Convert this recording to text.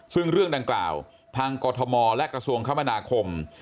ซึ่งเรื่องดังกล่าวทางกรทมและกระทรวงคมนาคม